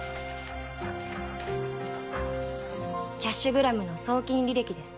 キャッシュグラムの送金履歴です。